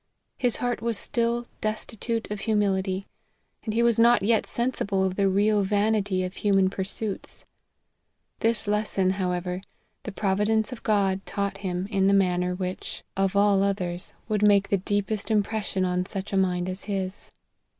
His heart was still destitute of humility, wid he was not yet sensible of the real vanity of human pursuits. This lesson, however, the providence of God taught him in the manner which, LIFE OF HENRY MARTYN 15 of all others, would make the deepest impression on such a mind as his.